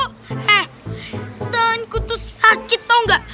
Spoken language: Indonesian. tangan ku tuh sakit tau gak